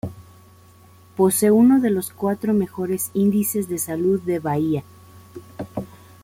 Posee uno de los cuatro mejores índices de salud de Bahia.